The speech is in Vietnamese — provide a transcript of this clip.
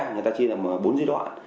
người ta chỉ làm bốn giai đoạn